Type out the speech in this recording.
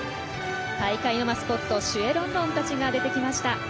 大会のマスコットシュエ・ロンロンたちが出てきました。